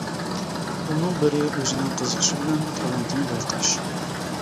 ئۇنىڭ بىرى ئۆزىنىڭ قىزىقىشى بىلەن تالانتىنى بايقاش.